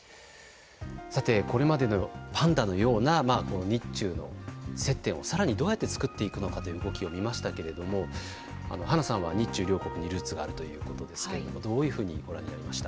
さて、これまでパンダのような日中の接点をさらにどうやって作っていくのかという動きを見ましたけれどもはなさんは日中両国にルーツがあるということですけれどもどういうふうにご覧になりました？